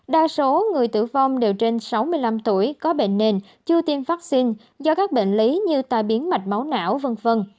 đa số người tử vong đều trên sáu mươi năm tuổi có bệnh nền chưa tiêm vaccine do các bệnh lý như tai biến mạch máu não v v